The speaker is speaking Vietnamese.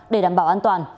để đảm bảo an toàn